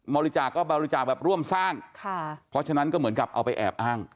บริจาคก็บริจาคแบบร่วมสร้างค่ะเพราะฉะนั้นก็เหมือนกับเอาไปแอบอ้าง